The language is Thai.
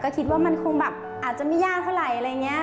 คิดว่ามันคงแบบอาจจะไม่ยากเท่าไหร่อะไรอย่างนี้